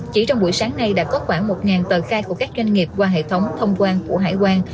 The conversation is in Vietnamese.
chỉ trong buổi sáng nay đã có khoảng một tờ khai của các doanh nghiệp qua hệ thống thông quan của hải quan